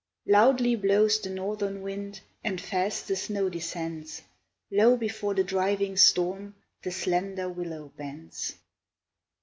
Loudly blows the northern wind, And fast the snow descends, Low before the driving storm, The slender willow bends.